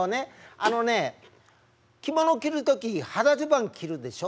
あのね着物着る時肌じゅばん着るでしょ？